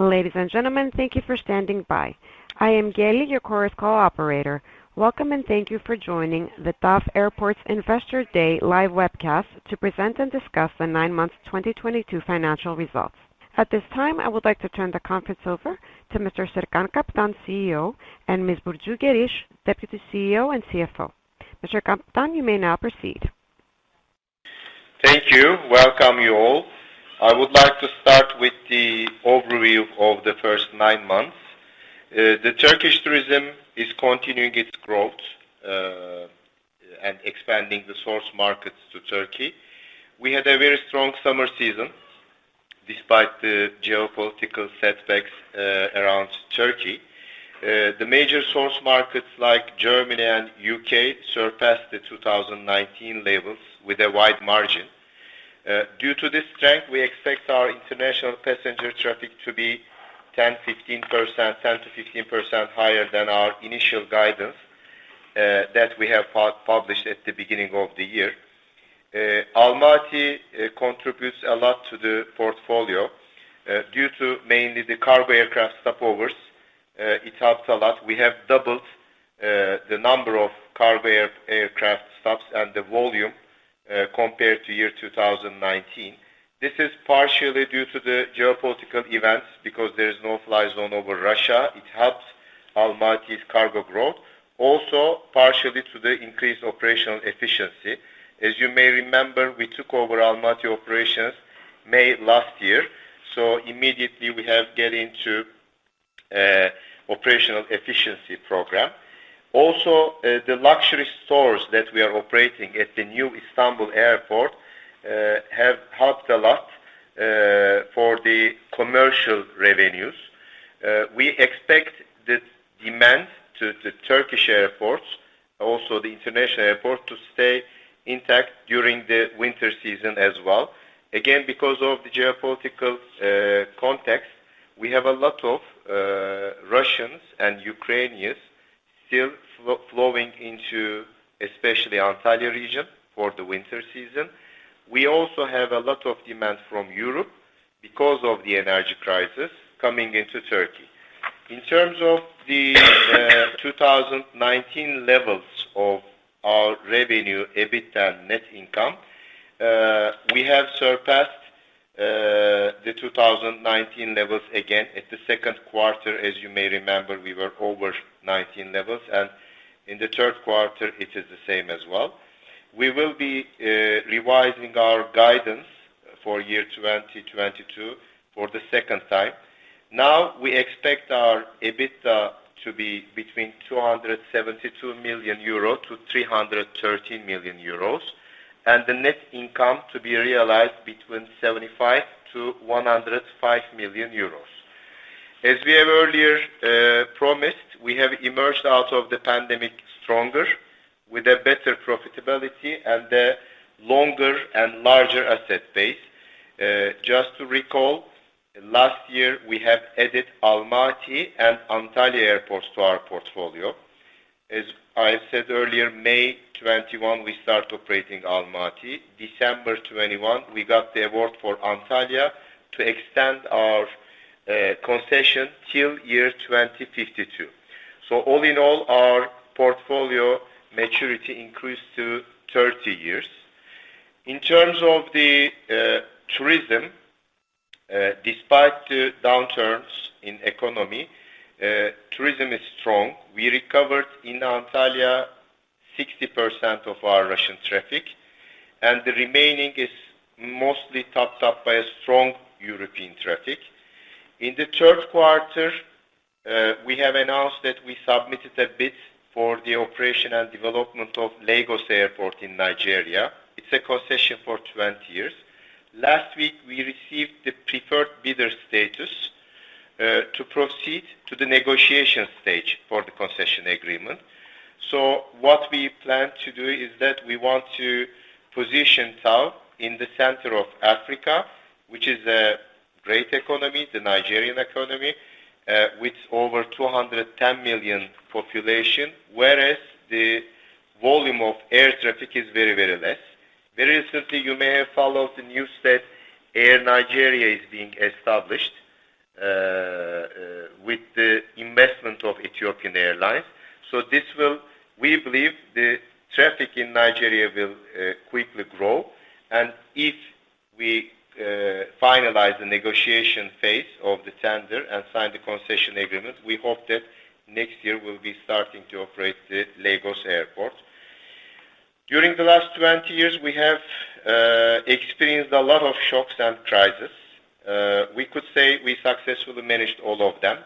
Ladies and gentlemen, thank you for standing by. I am Gayly, your Chorus Call operator. Welcome and thank you for joining the TAV Airports Investor Day live webcast to present and discuss the nine months 2022 financial results. At this time, I would like to turn the conference over to Mr. Serkan Kaptan, CEO, and Ms. Burcu Geriş, Deputy CEO and CFO. Mr. Kaptan, you may now proceed. Thank you. Welcome, you all. I would like to start with the overview of the first nine months. The Turkish tourism is continuing its growth, and expanding the source markets to Turkey. We had a very strong summer season despite the geopolitical setbacks around Turkey. The major source markets like Germany and U.K. surpassed the 2019 levels with a wide margin. Due to this strength, we expect our international passenger traffic to be 10%-15% higher than our initial guidance that we have published at the beginning of the year. Almaty contributes a lot to the portfolio due to mainly the cargo aircraft stopovers. It helps a lot. We have doubled the number of cargo aircraft stops and the volume compared to year 2019. This is partially due to the geopolitical events because there is no-fly zone over Russia. It helps Almaty's cargo growth. Partially to the increased operational efficiency. As you may remember, we took over Almaty operations May last year, so immediately we've gotten into operational efficiency program. The luxury stores that we are operating at the new iGA Istanbul Airport have helped a lot for the commercial revenues. We expect this demand to Turkish airports, also the international airport to stay intact during the winter season as well. Because of the geopolitical context, we have a lot of Russians and Ukrainians still flowing into especially Antalya region for the winter season. We also have a lot of demand from Europe because of the energy crisis coming into Turkey. In terms of the 2019 levels of our revenue, EBITDA, net income, we have surpassed the 2019 levels again. At the second quarter, as you may remember, we were over 2019 levels. In the third quarter it is the same as well. We will be revising our guidance for year 2022 for the second time. Now, we expect our EBITDA to be between 272 million euro and 313 million euros, and the net income to be realized between 75 million and 105 million euros. As we have earlier promised, we have emerged out of the pandemic stronger, with a better profitability and a longer and larger asset base. Just to recall, last year we have added Almaty and Antalya airports to our portfolio. As I said earlier, May 2021 we start operating Almaty. December 2021 we got the award for Antalya to extend our concession till year 2052. All in all, our portfolio maturity increased to 30 years. In terms of the tourism, despite the downturns in economy, tourism is strong. We recovered in Antalya 60% of our Russian traffic, and the remaining is mostly topped up by a strong European traffic. In the third quarter, we have announced that we submitted a bid for the operation and development of Lagos Airport in Nigeria. It's a concession for 20 years. Last week we received the preferred bidder status to proceed to the negotiation stage for the concession agreement. What we plan to do is that we want to position TAV in the center of Africa, which is a great economy, the Nigerian economy, with over 210 million population, whereas the volume of air traffic is very, very less. Very recently, you may have followed the news that Air Nigeria is being established, with the investment of Ethiopian Airlines. We believe the traffic in Nigeria will quickly grow. If we finalize the negotiation phase of the tender and sign the concession agreement, we hope that next year we'll be starting to operate the Lagos Airport. During the last 20 years, we have experienced a lot of shocks and crises. We could say we successfully managed all of them.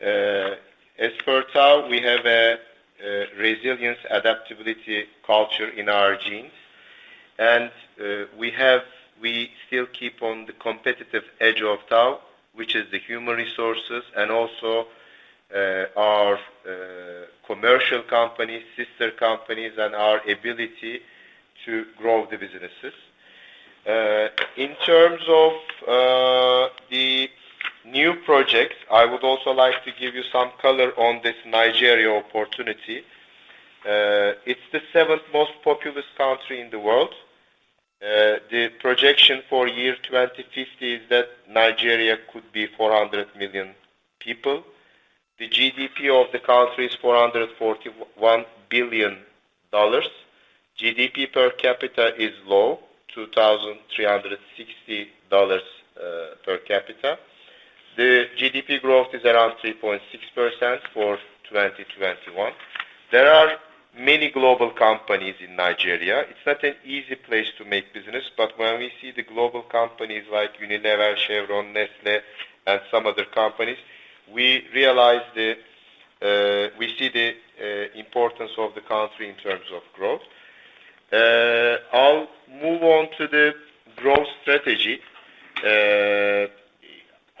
As per TAV, we have a resilience adaptability culture in our genes. We still keep on the competitive edge of TAV, which is the human resources and also, our commercial companies, sister companies, and our ability to grow the businesses. In terms of the new projects, I would also like to give you some color on this Nigeria opportunity. It's the seventh most populous country in the world. The projection for year 2050 is that Nigeria could be 400 million people. The GDP of the country is $441 billion. GDP per capita is low, $2,360 per capita. The GDP growth is around 3.6% for 2021. There are many global companies in Nigeria. It's not an easy place to make business, but when we see the global companies like Unilever, Chevron, Nestlé, and some other companies, we see the importance of the country in terms of growth. I'll move on to the growth strategy.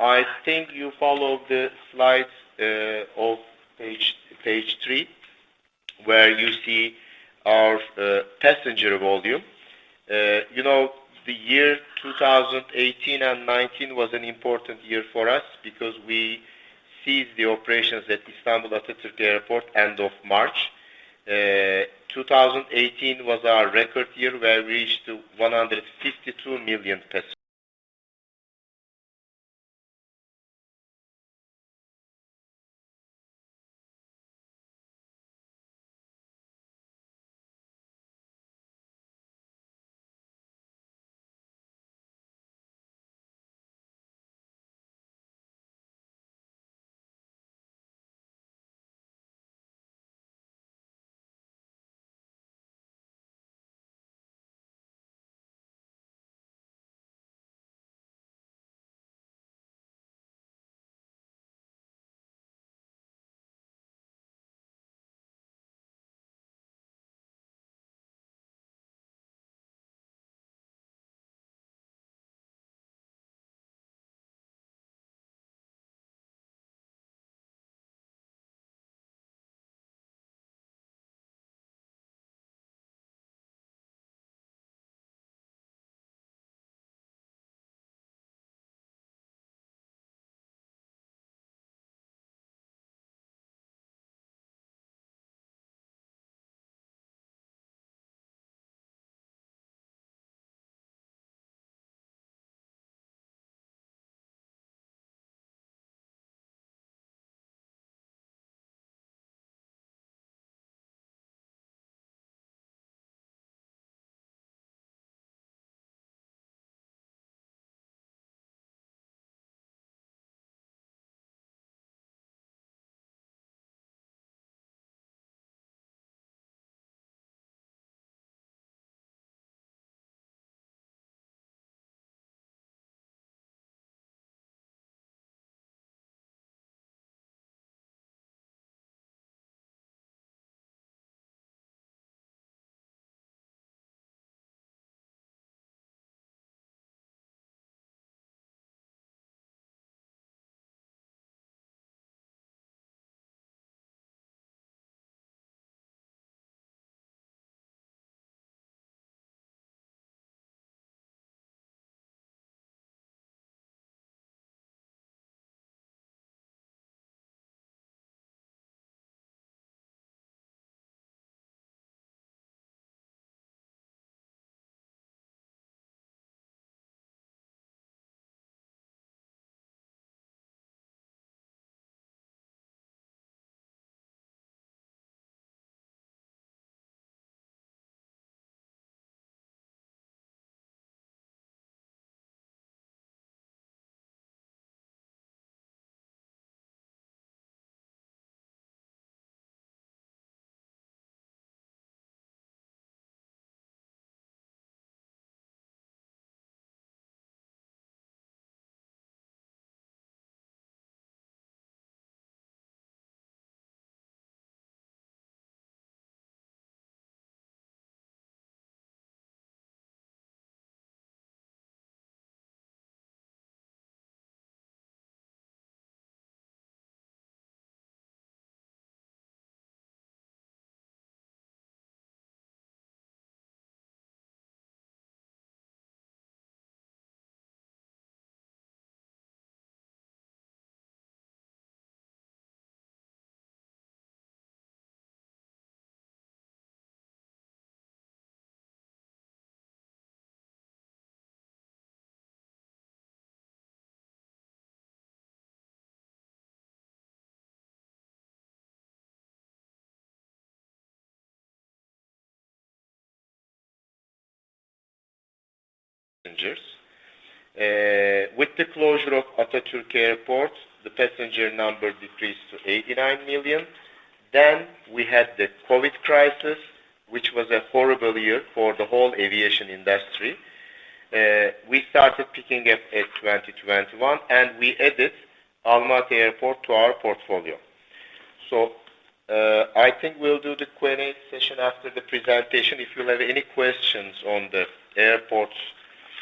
I think you follow the slides of page three, where you see our passenger volume. You know, the year 2018 and 2019 was an important year for us because we ceased the operations at Istanbul Atatürk Airport end of March. 2018 was our record year where we reached 152 million passengers.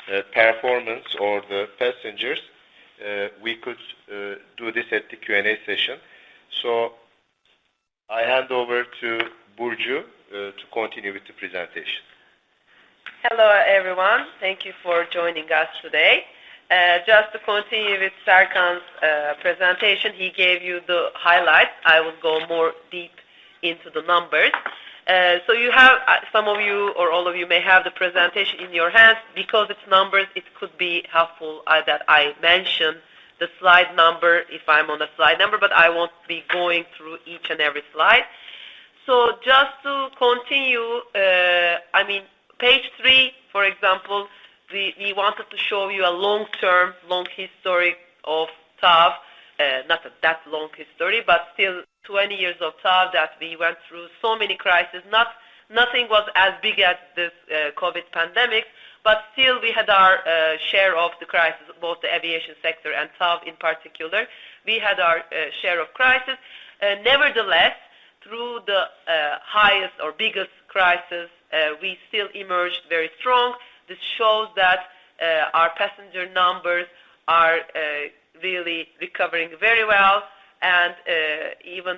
Hello, everyone. Thank you for joining us today. Just to continue with Serkan's presentation, he gave you the highlights. I will go more deep into the numbers. You have, some of you or all of you may have the presentation in your hands because it's numbers, it could be helpful that I mention the slide number if I'm on a slide number, but I won't be going through each and every slide. Just to continue, I mean, page three, for example, we wanted to show you a long-term, long history of TAV, not that long history, but still 20 years of TAV that we went through so many crises. Nothing was as big as this COVID pandemic, but still we had our share of the crisis, both the aviation sector and TAV in particular. We had our share of crisis. Nevertheless, through the highest or biggest crisis, we still emerged very strong. This shows that our passenger numbers are really recovering very well. Even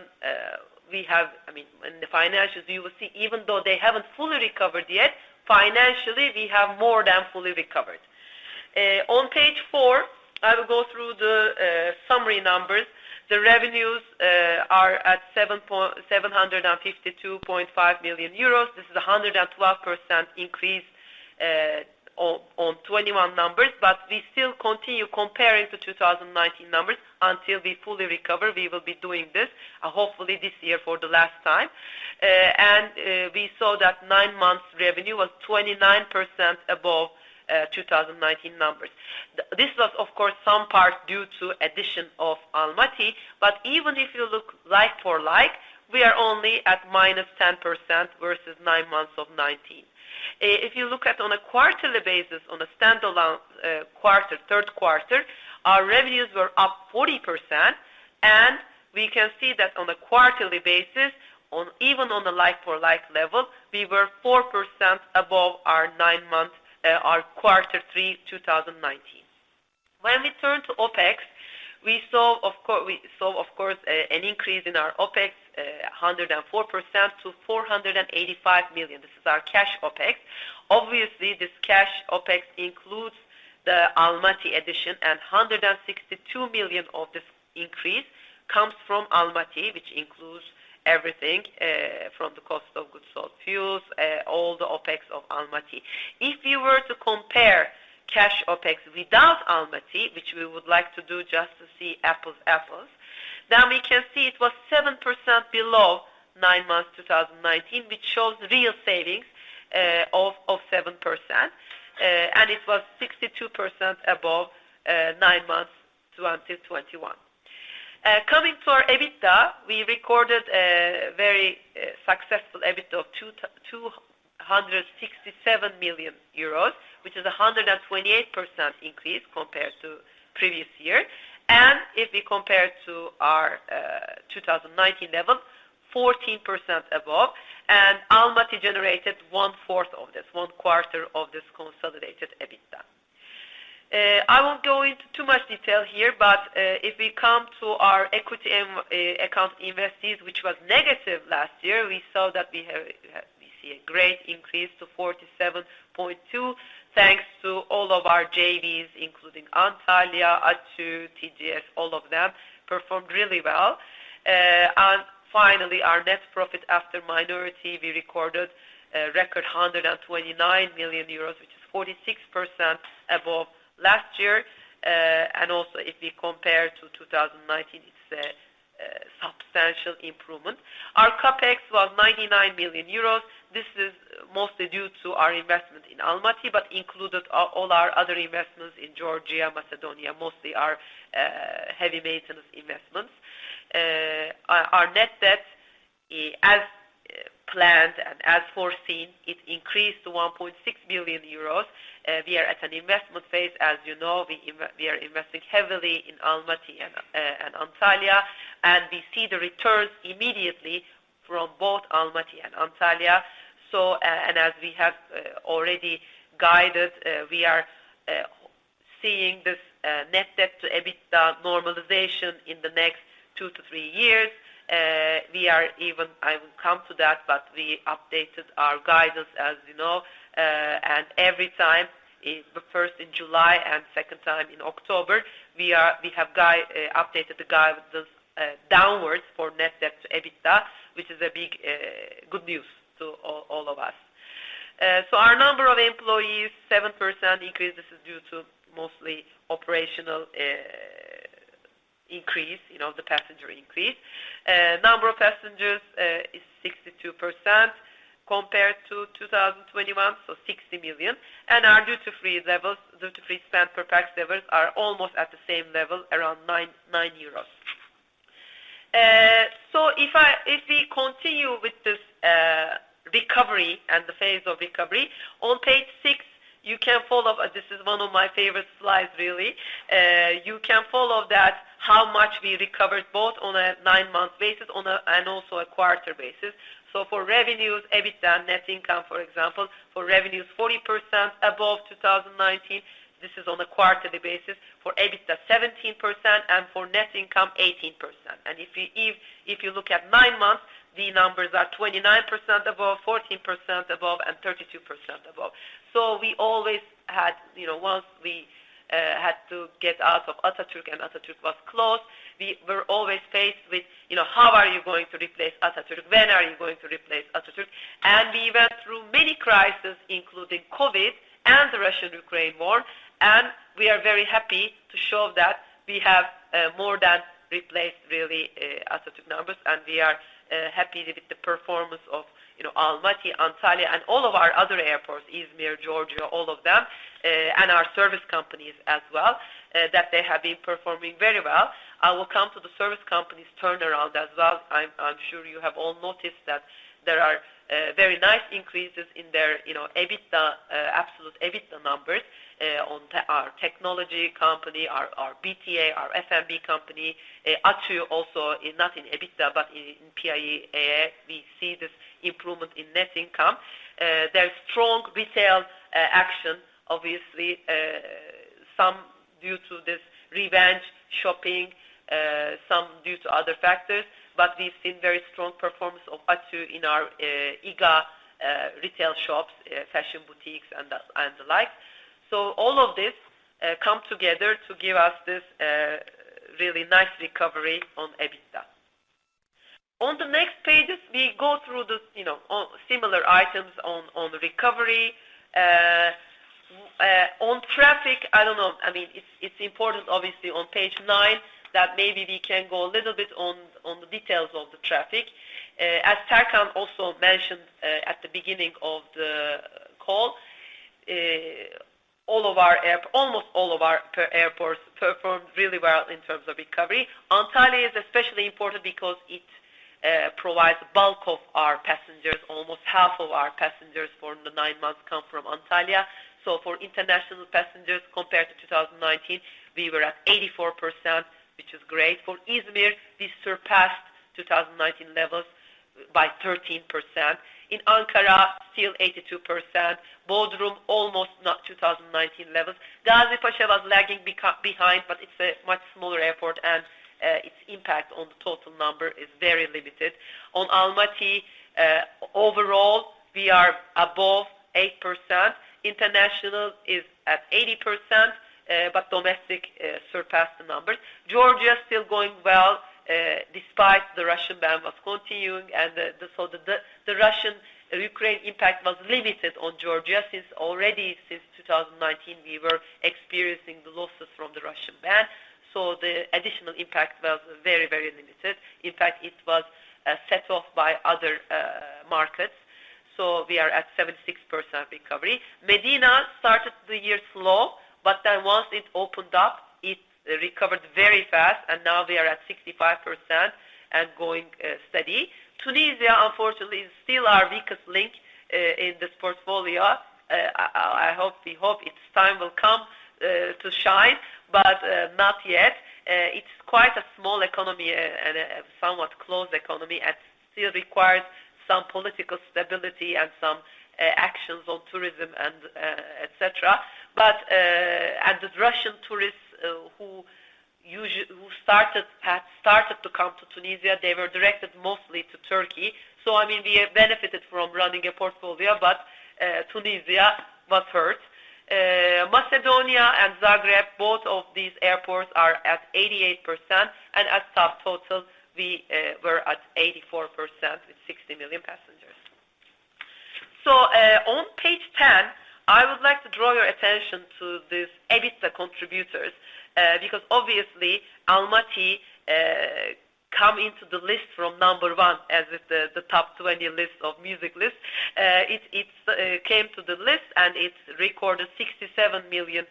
we have—I mean, in the financials, you will see, even though they haven't fully recovered yet, financially, we have more than fully recovered. On page four, I will go through the summary numbers. The revenues are at 752.5 million euros. This is a 112% increase on 2021 numbers. We still continue comparing to 2019 numbers. Until we fully recover, we will be doing this, hopefully this year for the last time. We saw that nine months revenue was 29% above 2019 numbers. This was, of course, some part due to addition of Almaty. Even if you look like for like, we are only at -10% versus nine months of 2019. If you look at on a quarterly basis, on a standalone quarter, third quarter, our revenues were up 40%. We can see that on a quarterly basis, on even on the like for like level, we were 4% above our nine-month, our Q3 2019. When we turn to OpEx, we saw, of course, an increase in our OpEx, 104% to 485 million. This is our cash OpEx. Obviously, this cash OpEx includes the Almaty addition, and 162 million of this increase comes from Almaty, which includes everything, from the cost of goods sold, fuels, all the OpEx of Almaty. If you were to compare cash OpEx without Almaty, which we would like to do just to see apples to apples, then we can see it was 7% below nine months 2019, which shows real savings of 7%. It was 62% above nine months 2021. Coming to our EBITDA, we recorded a very successful EBITDA of 267 million euros, which is a 128% increase compared to previous year. If we compare to our 2019 level, 14% above, and Almaty generated one-fourth of this, one quarter of this consolidated EBITDA. I won't go into too much detail here, but if we come to our equity-accounted investees, which was negative last year, we see a great increase to 47.2, thanks to all of our JVs, including Antalya, ATU, TGS, all of them performed really well. Finally, our net profit after minority, we recorded a record 129 million euros, which is 46% above last year. Also, if we compare to 2019, it's a substantial improvement. Our CapEx was 99 million euros. This is mostly due to our investment in Almaty, but included all our other investments in Georgia, Macedonia, mostly our heavy maintenance investments. Our net debt, as planned and as foreseen, increased to 1.6 billion euros. We are at an investment phase. As you know, we are investing heavily in Almaty and Antalya. We see the returns immediately from both Almaty and Antalya. As we have already guided, we are seeing this net debt to EBITDA normalization in the next two to three years. I will come to that, but we updated our guidance, as you know. Every time, the first in July and second time in October, we have updated the guidances downwards for net debt to EBITDA, which is a big good news to all of us. Our number of employees, 7% increase. This is due to mostly operational increase, you know, the passenger increase. Number of passengers is 62% compared to 2021, so 60 million. Our duty-free levels, duty-free spend per pax levels are almost at the same level, around 9.9 euros. If we continue with this recovery and the phase of recovery, on page six, you can follow up. This is one of my favorite slides, really. You can follow that how much we recovered both on a nine-month basis and also a quarter basis. For revenues, EBITDA, and net income, for example. For revenues, 40% above 2019. This is on a quarterly basis. For EBITDA, 17%, and for net income, 18%. If you look at nine months, the numbers are 29% above, 14% above, and 32% above. We always had, you know, once we had to get out of Atatürk, and Atatürk was closed. We were always faced with, you know, how are you going to replace Atatürk? When are you going to replace Atatürk? We went through many crises, including COVID and the Russian-Ukraine war, and we are very happy to show that we have more than replaced really Atatürk numbers. We are happy with the performance of, you know, Almaty, Antalya, and all of our other airports, Izmir, Georgia, all of them, and our service companies as well, that they have been performing very well. I will come to the service company's turnaround as well. I'm sure you have all noticed that there are very nice increases in their, you know, EBITDA absolute EBITDA numbers on our technology company, our BTA, our F&B company. ATU also is not in EBITDA, but in PIA, we see this improvement in net income. There's strong retail traction, obviously, some due to this revenge shopping, some due to other factors. We've seen very strong performance of ATU in our IGA retail shops, fashion boutiques and the like. All of this come together to give us this really nice recovery on EBITDA. On the next pages, we go through the, you know, on similar items on the recovery on traffic, I don't know. I mean, it's important obviously on page nine that maybe we can go a little bit on the details of the traffic. As Serkan also mentioned at the beginning of the call, almost all of our airports performed really well in terms of recovery. Antalya is especially important because it provides bulk of our passengers. Almost half of our passengers for the nine months come from Antalya. For international passengers, compared to 2019, we were at 84%, which is great. For Izmir, we surpassed 2019 levels by 13%. In Ankara, still 82%. Bodrum, almost at 2019 levels. Gazipaşa was lagging behind, but it's a much smaller airport, and its impact on the total number is very limited. On Almaty, overall, we are above 8%. International is at 80%, but domestic surpassed the numbers. Georgia still going well, despite the Russian ban was continuing and so the Russian-Ukraine impact was limited on Georgia since already since 2019, we were experiencing the losses from the Russian ban. The additional impact was very limited. In fact, it was set off by other markets. We are at 76% recovery. Medina started the year slow, but then once it opened up, it recovered very fast, and now we are at 65% and going steady. Tunisia, unfortunately, is still our weakest link in this portfolio. I hope, we hope it's time will come to shine, but not yet. It's quite a small economy and a somewhat closed economy and still requires some political stability and some actions on tourism and et cetera. The Russian tourists who started to come to Tunisia were directed mostly to Turkey. I mean, we benefited from running a portfolio, but Tunisia was hurt. Macedonia and Zagreb, both of these airports are at 88%. As subtotal, we were at 84% with 60 million passengers. On page 10, I would like to draw your attention to these EBITDA contributors because obviously, Almaty come into the list from number one as with the top twenty list of busiest. It came to the list, and it's recorded 67 million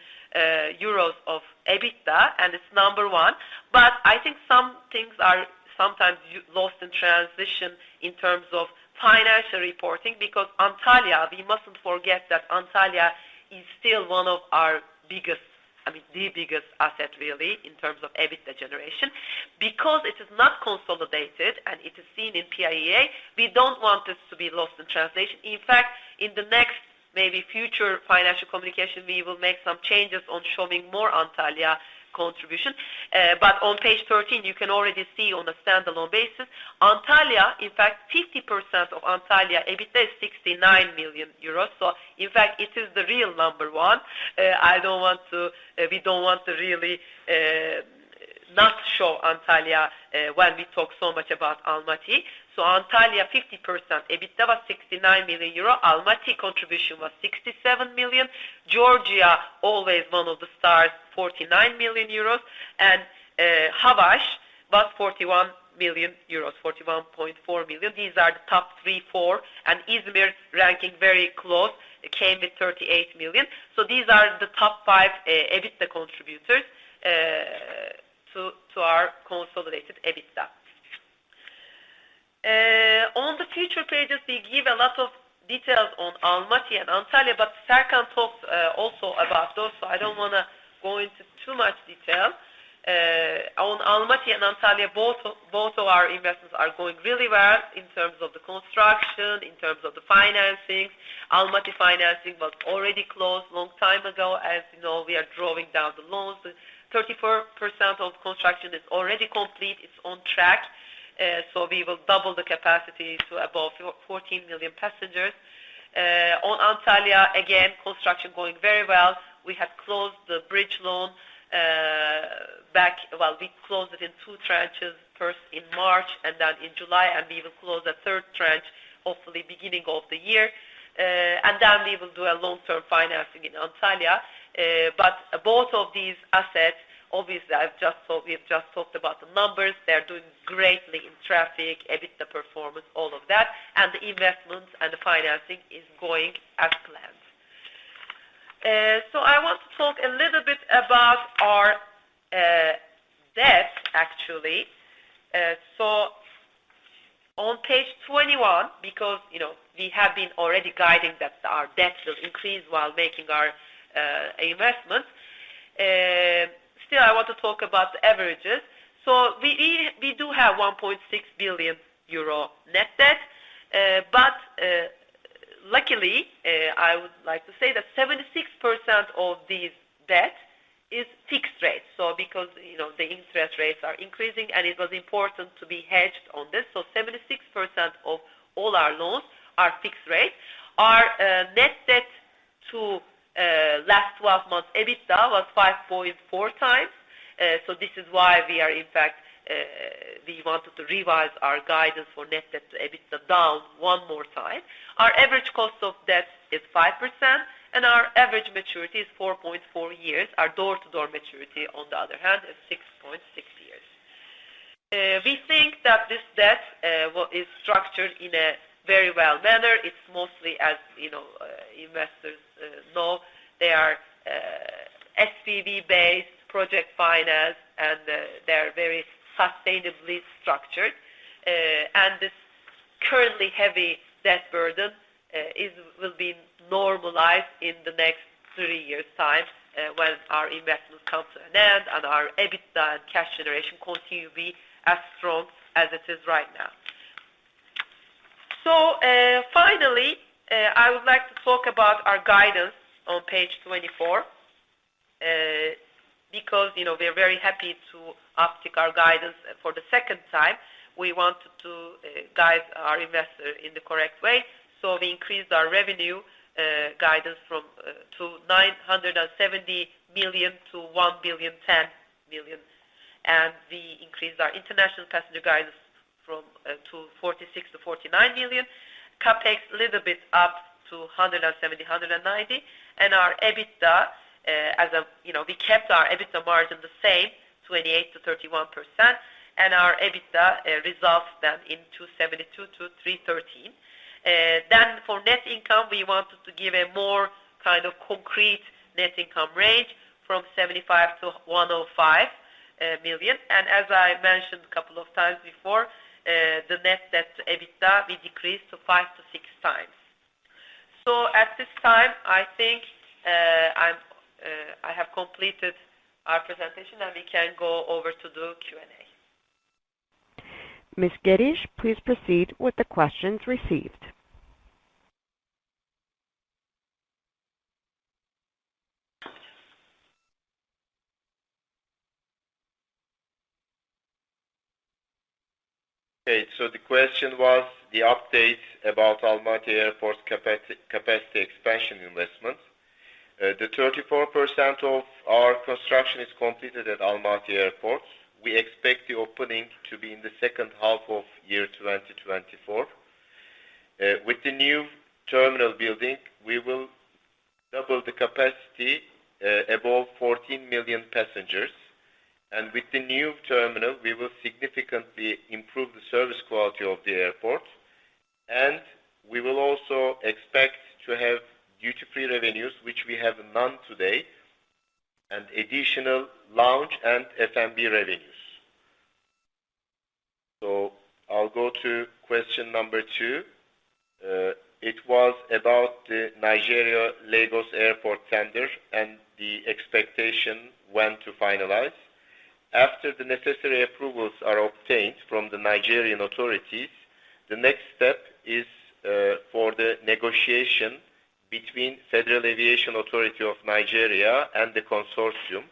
euros of EBITDA, and it's number one. I think some things are sometimes lost in transition in terms of financial reporting, because Antalya, we mustn't forget that Antalya is still one of our biggest, I mean, the biggest asset really, in terms of EBITDA generation. Because it is not consolidated and it is seen in PIA, we don't want this to be lost in translation. In fact, in the next maybe future financial communication, we will make some changes on showing more Antalya contribution. On page 13, you can already see on a standalone basis, Antalya, in fact, 50% of Antalya EBITDA is 69 million euros. In fact, it is the real number one. We don't want to really not show Antalya when we talk so much about Almaty. Antalya, 50%. EBITDA was 69 million euro. Almaty contribution was 67 million. Georgia, always one of the stars, 49 million euro. Havaş was 41 million euros, 41.4 million. These are the top three, four. İzmir ranking very close, it came with 38 million euros. These are the top five, EBITDA contributors to our consolidated EBITDA. On the future pages, we give a lot of details on Almaty and Antalya, but Serkan talked also about those, I don't wanna go into too much detail. On Almaty and Antalya, both of our investments are going really well in terms of the construction, in terms of the financing. Almaty financing was already closed long time ago. As you know, we are drawing down the loans. 34% of construction is already complete. It's on track. We will double the capacity to above 414 million passengers. On Antalya, again, construction going very well. We have closed the bridge loan. We closed it in two tranches, first in March, and then in July, and we will close the third tranche hopefully beginning of the year. Then we will do a long-term financing in Antalya. Both of these assets, obviously, we've just talked about the numbers. They're doing great in traffic, EBITDA performance, all of that, and the investments and the financing is going as planned. I want to talk a little bit about our debt actually. On page 21, because, you know, we have been already guiding that our debt will increase while making our investment. Still, I want to talk about the averages. We do have 1.6 billion euro net debt. Luckily, I would like to say that 76% of this debt is fixed rate. Because, you know, the interest rates are increasing, and it was important to be hedged on this. 76% of all our loans are fixed rate. Our net debt to last twelve-month EBITDA was 5.4 times. This is why we are in fact, we wanted to revise our guidance for net debt to EBITDA down one more time. Our average cost of debt is 5%, and our average maturity is 4.4 years. Our door-to-door maturity, on the other hand, is 6.6 years. We think that this debt is structured in a very well manner. It's mostly, as you know, investors know they are SPV-based project finance, and they're very sustainably structured. This currently heavy debt burden will be normalized in the next three years' time, when our investments come to an end and our EBITDA and cash generation continue to be as strong as it is right now. Finally, I would like to talk about our guidance on page 24. Because, you know, we are very happy to uptick our guidance for the second time. We wanted to guide our investor in the correct way. We increased our revenue guidance from 970 million to 1,010 million, and we increased our international passenger guidance from 46 million to 49 million. CapEx a little bit up to 170 million-190 million. Our EBITDA, You know, we kept our EBITDA margin the same, 28%-31%. Our EBITDA results then into 72 million-313 million. For net income, we wanted to give a more kind of concrete net income range from 75 million to 105 million. As I mentioned a couple of times before, the net debt to EBITDA, we decreased to 5-6 times. At this time, I think, I have completed our presentation, and we can go over to the Q&A. Ms. Geriş, please proceed with the questions received. Okay. The question was the update about Almaty Airport's capacity expansion investment. 34% of our construction is completed at Almaty Airport. We expect the opening to be in the second half of 2024. With the new terminal building, we will double the capacity above 14 million passengers. With the new terminal, we will significantly improve the service quality of the airport. We will also expect to have duty-free revenues, which we have none today, and additional lounge and F&B revenues. I'll go to question number two. It was about the Nigeria Lagos Airport tender and the expectation when to finalize. After the necessary approvals are obtained from the Nigerian authorities, the next step is for the negotiation between Federal Airports Authority of Nigeria and the consortium.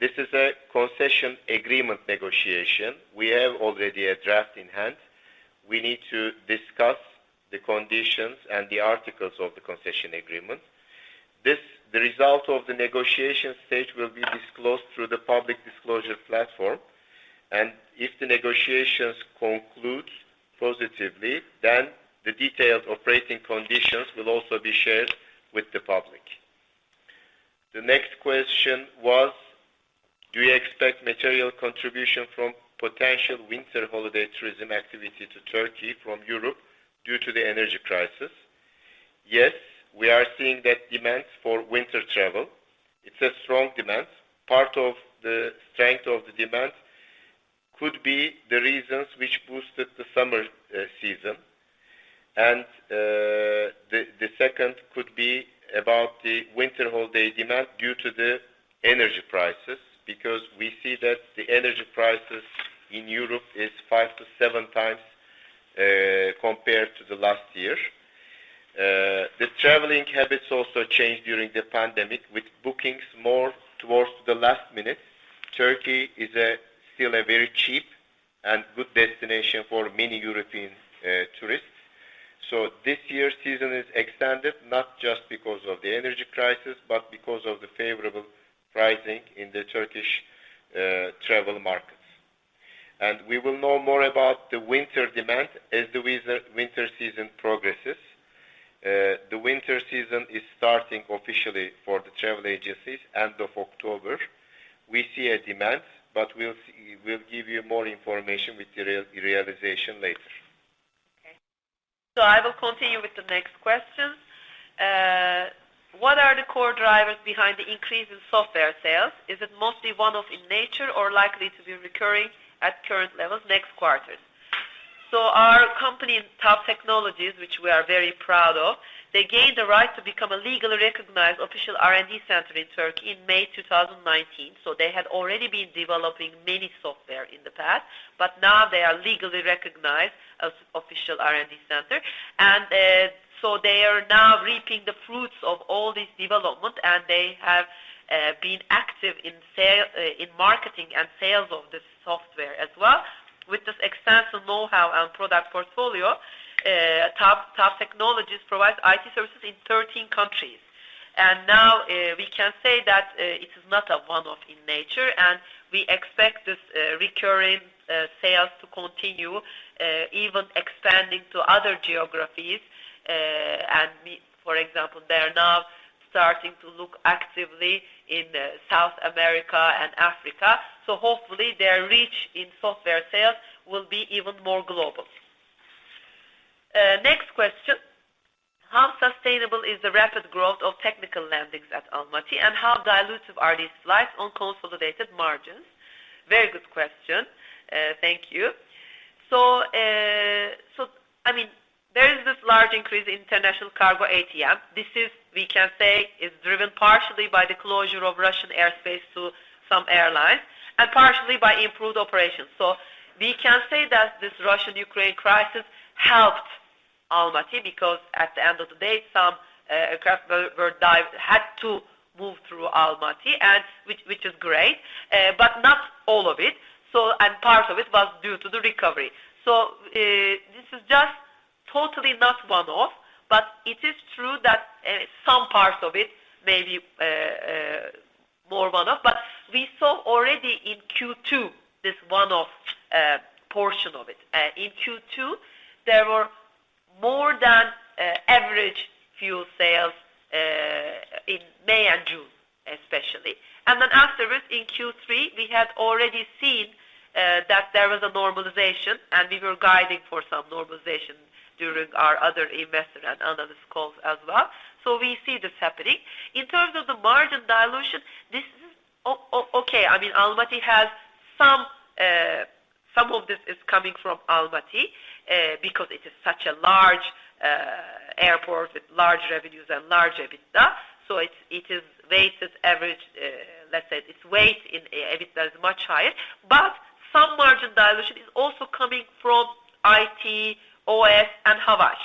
This is a concession agreement negotiation. We have already a draft in hand. We need to discuss the conditions and the articles of the concession agreement. This, the result of the negotiation stage, will be disclosed through the Public Disclosure Platform. If the negotiations conclude positively, then the detailed operating conditions will also be shared with the public. The next question was, do you expect material contribution from potential winter holiday tourism activity to Turkey from Europe due to the energy crisis? Yes, we are seeing that demand for winter travel. It's a strong demand. Part of the strength of the demand could be the reasons which boosted the summer season. The second could be about the winter holiday demand due to the energy prices, because we see that the energy prices in Europe is 5-7 times compared to the last year. The traveling habits also changed during the pandemic with bookings more towards the last minute. Turkey is still a very cheap good destination for many European tourists. This year's season is extended, not just because of the energy crisis, but because of the favorable pricing in the Turkish travel markets. We will know more about the winter demand as the winter season progresses. The winter season is starting officially for the travel agencies end of October. We see a demand, but we'll give you more information with the realization later. I will continue with the next question. What are the core drivers behind the increase in software sales? Is it mostly one-off in nature or likely to be recurring at current levels next quarter? Our company, TAV Technologies, which we are very proud of, gained the right to become a legally recognized official R&D center in Turkey in May 2019. They had already been developing many software in the past, but now they are legally recognized as official R&D center. They are now reaping the fruits of all this development, and they have been active in marketing and sales of this software as well. With this extensive know-how and product portfolio, TAV Technologies provides IT services in 13 countries. Now we can say that it is not a one-off in nature, and we expect this recurring sales to continue even expanding to other geographies. For example, they are now starting to look actively in South America and Africa. Hopefully, their reach in software sales will be even more global. Next question. How sustainable is the rapid growth of technical landings at Almaty, and how dilutive are these flights on consolidated margins? Very good question. Thank you. I mean, there is this large increase in international cargo ATM. This is, we can say, driven partially by the closure of Russian airspace to some airlines and partially by improved operations. We can say that this Russian-Ukraine crisis helped Almaty because at the end of the day, some aircraft had to move through Almaty, which is great, but not all of it. Part of it was due to the recovery. This is just totally not one-off, but it is true that some parts of it may be more one-off. We saw already in Q2 this one-off portion of it. In Q2, there were more than average fuel sales in May and June, especially. Afterwards, in Q3, we had already seen that there was a normalization, and we were guiding for some normalization during our other investor and analyst calls as well. We see this happening. In terms of the margin dilution, this is okay. I mean, Almaty has some of this is coming from Almaty, because it is such a large airport with large revenues and large EBITDA. It is weighted average, let's say its weight in EBITDA is much higher. Some margin dilution is also coming from IT, OS, and Havaş.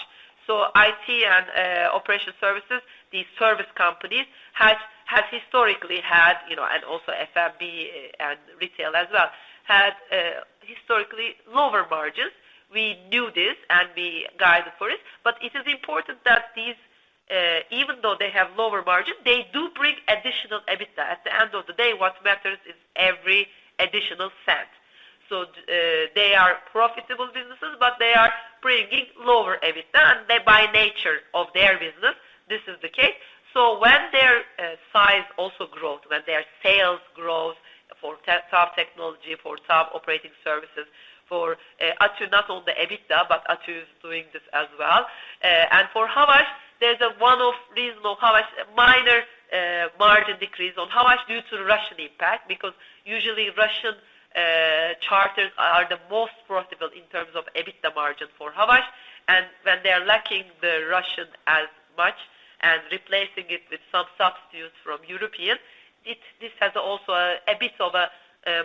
IT and operation services, these service companies has historically had, you know, and also F&B and retail as well, had historically lower margins. We knew this, and we guided for it. It is important that these, even though they have lower margins, they do bring additional EBITDA. At the end of the day, what matters is every additional cent. They are profitable businesses, but they are bringing lower EBITDA, and they by nature of their business, this is the case. When their size also grows, when their sales grows for TAV Technologies, for TAV Operation Services, actually not on the EBITDA, but ATU is doing this as well. For Havaş, there's a one-off reason of Havaş, minor margin decrease on Havaş due to the Russian impact, because usually Russian charters are the most profitable in terms of EBITDA margin for Havaş. When they are lacking the Russian as much and replacing it with some substitutes from European, this has also a bit of a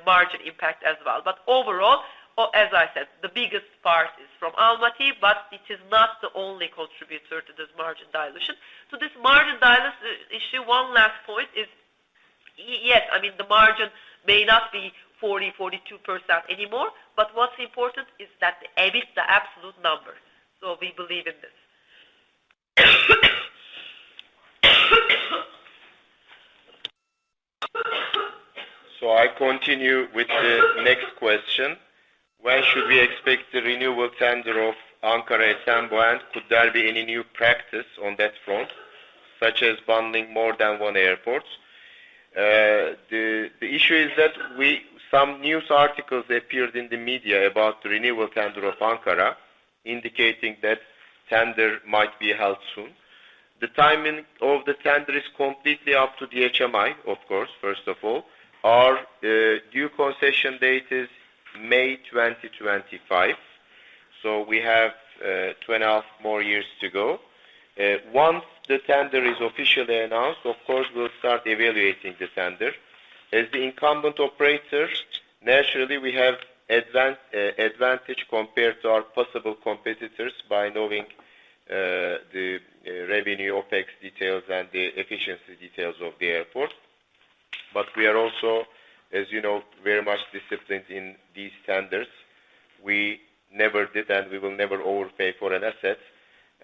margin impact as well. Overall, or as I said, the biggest part is from Almaty, but it is not the only contributor to this margin dilution. This margin dilution issue, one last point is yes, I mean, the margin may not be 42% anymore, but what's important is that the EBITDA absolute number, so we believe in this. I continue with the next question. When should we expect the renewal tender of Ankara Esenboğa, and could there be any new practice on that front, such as bundling more than one airport? Some news articles appeared in the media about the renewal tender of Ankara, indicating that tender might be held soon. The timing of the tender is completely up to DHMI, of course, first of all. Our due concession date is May 2025. We have two and a half more years to go. Once the tender is officially announced, of course, we'll start evaluating the tender. As the incumbent operators, naturally, we have advantage compared to our possible competitors by knowing the revenue, OpEx details, and the efficiency details of the airport. We are also, as you know, very much disciplined in these standards. We never did, and we will never overpay for an asset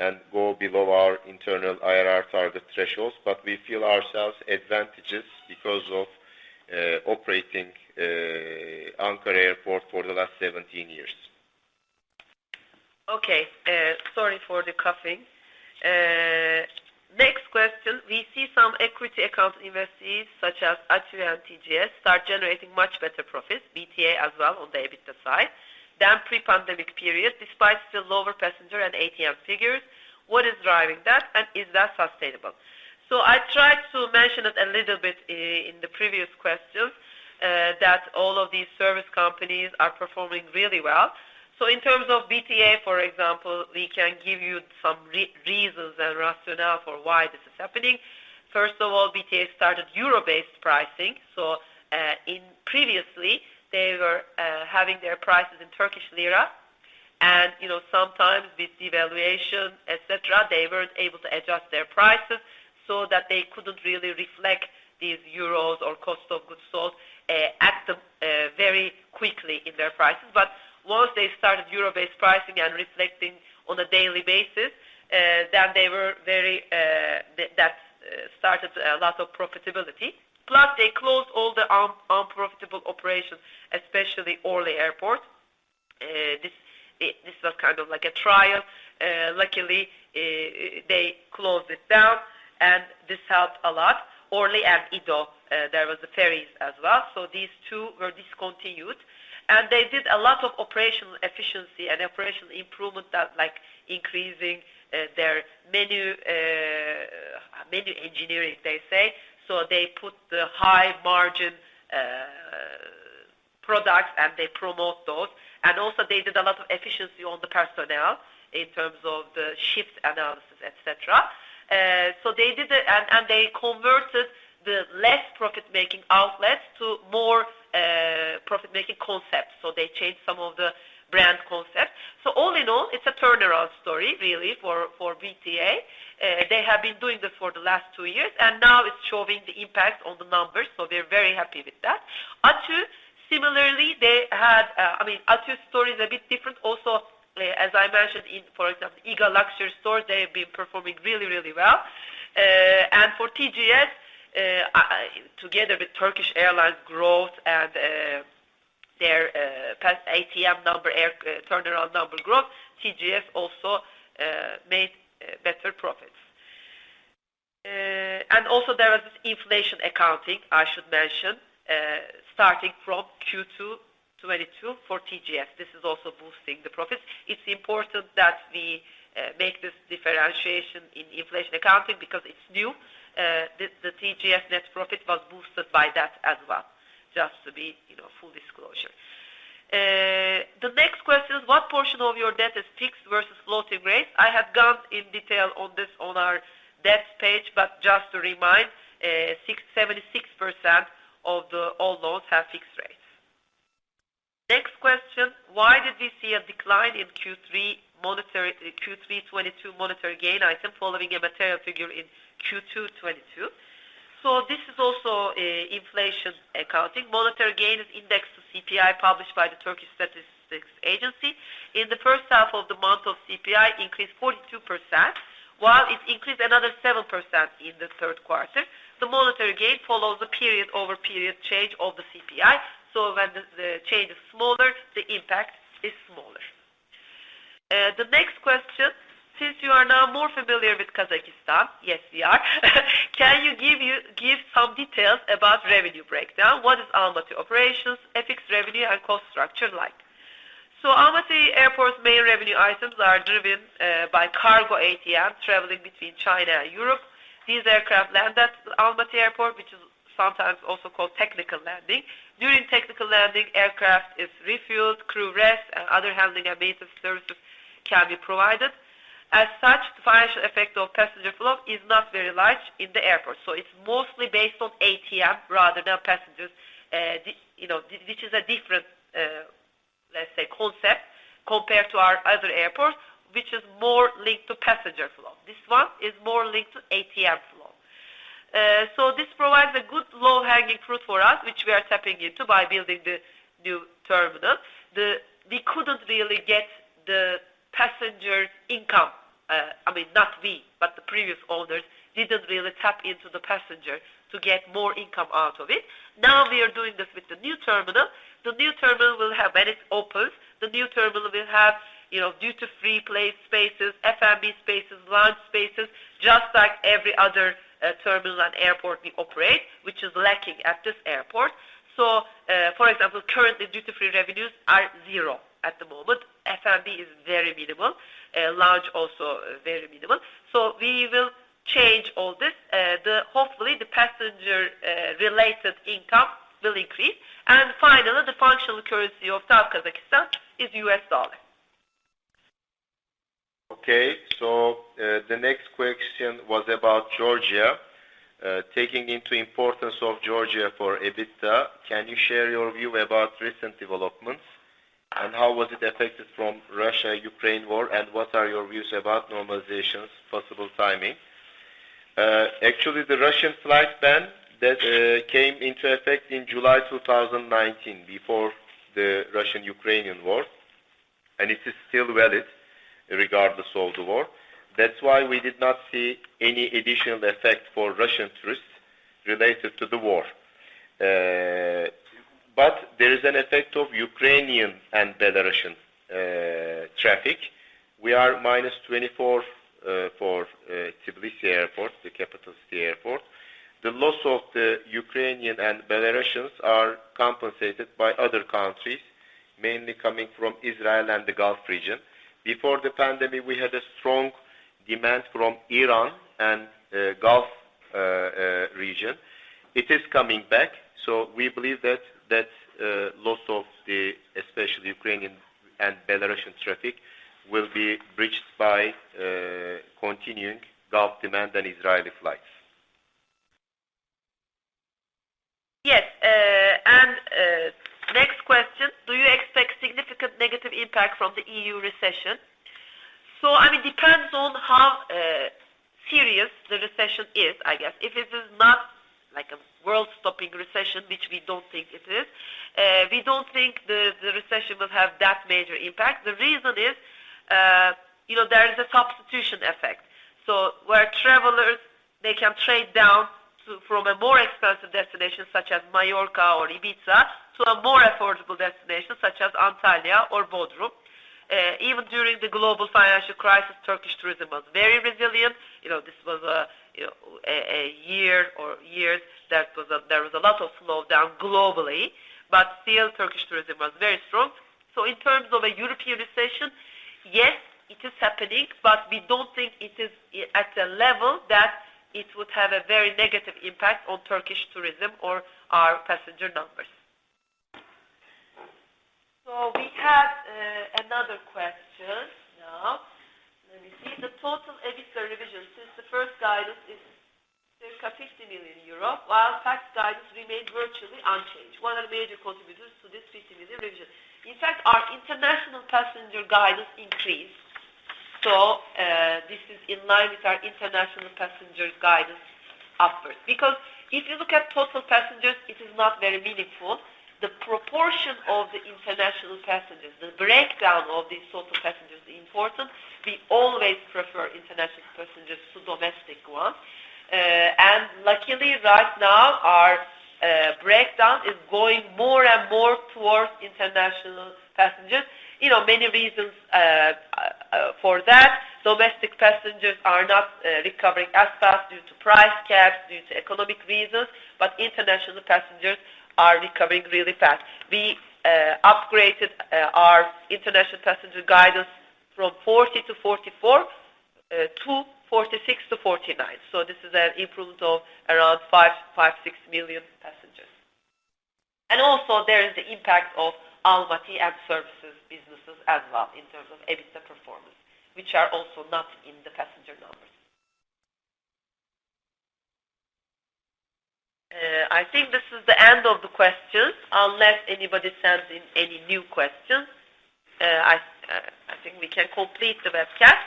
and go below our internal IRR target thresholds. We feel ourselves advantageous because of operating Ankara Airport for the last 17 years. We see some equity-accounted investees, such as ATÜ and TGS, start generating much better profits, BTA as well on the EBITDA side than pre-pandemic periods, despite still lower passenger and ATM figures. What is driving that? And is that sustainable? I tried to mention it a little bit in the previous question, that all of these service companies are performing really well. In terms of BTA, for example, we can give you some reasons and rationale for why this is happening. First of all, BTA started euro-based pricing. Previously, they were having their prices in Turkish lira. You know, sometimes with devaluation, et cetera, they weren't able to adjust their prices so that they couldn't really reflect these euros or cost of goods sold at the very quickly in their prices. Once they started euro-based pricing and reflecting on a daily basis, then that started a lot of profitability. Plus, they closed all the unprofitable operations, especially Orly Airport. This was kind of like a trial. Luckily, they closed it down, and this helped a lot. Orly and İDO, there was the ferries as well. These two were discontinued. They did a lot of operational efficiency and operational improvement that like increasing their menu engineering, they say. They put the high-margin products, and they promote those. They did a lot of efficiency on the personnel in terms of the shift analysis, et cetera. They did it, and they converted the less profit-making outlets to more profit-making concepts. They changed some of the brand concepts. All in all, it's a turnaround story really for BTA. They have been doing this for the last two years, and now it's showing the impact on the numbers. We are very happy with that. ATU, similarly, they had, I mean, ATU story is a bit different. As I mentioned, for example, IGA Luxury Stores, they have been performing really well. For TGS, together with Turkish Airlines growth and their passenger ATM number, aircraft turnaround number growth, TGS also made better profits. There was this inflation accounting, I should mention, starting from Q2 2022 for TGS. This is also boosting the profits. It's important that we make this differentiation in inflation accounting because it's new. The TGS net profit was boosted by that as well, just to be, you know, full disclosure. The next question, what portion of your debt is fixed versus floating rates? I have gone in detail on this on our debt page. Just to remind, 76% of all loans have fixed rates. Next question, why did we see a decline in Q3 2022 monetary gain item following a material figure in Q2 2022? This is also inflation accounting. Monetary gain is indexed to CPI, published by the Turkish Statistical Institute. In the first half of the month, CPI increased 42%, while it increased another 7% in the third quarter. The monetary gain follows the period-over-period change of the CPI, so when the change is smaller, the impact is smaller. The next question, since you are now more familiar with Kazakhstan, yes, we are. Can you give some details about revenue breakdown? What is Almaty operations, FX revenue, and cost structure like? Almaty Airport's main revenue items are driven by cargo and ATM traveling between China and Europe. These aircraft land at Almaty Airport, which is sometimes also called technical landing. During technical landing, aircraft is refueled, crew rest, and other handling and maintenance services can be provided. As such, the financial effect of passenger flow is not very large in the airport. It's mostly based on ATM rather than passengers. You know, which is a different, let's say, concept compared to our other airports, which is more linked to passenger flow. This one is more linked to ATM flow. This provides a good low-hanging fruit for us, which we are tapping into by building the new terminal. We couldn't really get the passenger income. I mean, not we, but the previous owners didn't really tap into the passenger to get more income out of it. Now we are doing this with the new terminal. The new terminal will have. When it opens, the new terminal will have, you know, duty-free place spaces, F&B spaces, lounge spaces, just like every other terminal and airport we operate, which is lacking at this airport. For example, currently, duty-free revenues are zero at the moment. F&B is very minimal. Lounge also very minimal. We will change all this. Hopefully, the passenger related income will increase. Finally, the functional currency of South Kazakhstan is U.S. dollar. Okay. The next question was about Georgia. Taking into importance of Georgia for EBITDA, can you share your view about recent developments? How was it affected from Russia-Ukraine war, and what are your views about normalizations, possible timing? Actually, the Russian flight ban that came into effect in July 2019 before the Russian-Ukrainian War. It is still valid regardless of the war. That's why we did not see any additional effect for Russian tourists related to the war. There is an effect of Ukrainian and Belarusian traffic. We are minus 24% for Tbilisi Airport, the capital city airport. The loss of the Ukrainian and Belarusians are compensated by other countries, mainly coming from Israel and the Gulf region. Before the pandemic, we had a strong demand from Iran and Gulf region. It is coming back, so we believe that loss of the especially Ukrainian and Belarusian traffic will be bridged by continuing Gulf demand and Israeli flights. Yes. Next question: Do you expect significant negative impact from the EU recession? I mean, depends on how serious the recession is, I guess. If it is not like a world-stopping recession, which we don't think it is, we don't think the recession will have that major impact. The reason is, you know, there is a substitution effect where travelers they can trade down from a more expensive destination such as Mallorca or Ibiza to a more affordable destination such as Antalya or Bodrum. Even during the global financial crisis, Turkish tourism was very resilient. You know, this was a you know, a year or years that there was a lot of slowdown globally, but still Turkish tourism was very strong. In terms of a European recession, yes, it is happening, but we don't think it is at a level that it would have a very negative impact on Turkish tourism or our passenger numbers. We have another question now. Let me see. The total EBITDA revision since the first guidance is circa 50 million euro, while CapEx guidance remained virtually unchanged. What are the major contributors to this 50 million revision? In fact, our international passenger guidance increased. This is in line with our international passenger guidance upwards. Because if you look at total passengers, it is not very meaningful. The proportion of the international passengers, the breakdown of these total passengers is important. We always prefer international passengers to domestic ones. Luckily right now, our breakdown is going more and more towards international passengers. You know, many reasons for that. Domestic passengers are not recovering as fast due to price caps, due to economic reasons, but international passengers are recovering really fast. We upgraded our international passenger guidance from 40 to 44 to 46 to 49. This is an improvement of around 5-6 million passengers. Also there is the impact of Almaty and services businesses as well in terms of EBITDA performance, which are also not in the passenger numbers. I think this is the end of the questions unless anybody sends in any new questions. I think we can complete the webcast.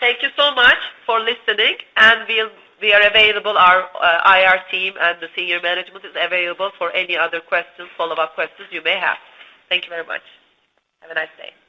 Thank you so much for listening, and we are available. Our IR team and the senior management is available for any other questions, follow-up questions you may have. Thank you very much. Have a nice day.